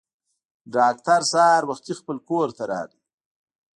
ډاکټر سهار وختي خپل کور ته راغی.